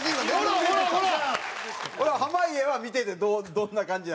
これは濱家は見ててどんな感じなの？